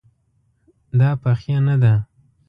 دا پخې نه ده